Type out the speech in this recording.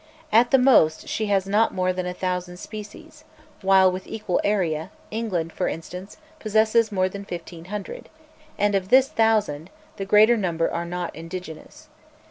At the most, she has not more than a thousand species, while, with equal area, England, for instance, possesses more than fifteen hundred; and of this thousand, the greater number are not indigenous.